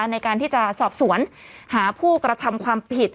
ในการที่จะสอบสวนหาผู้กระทำความผิด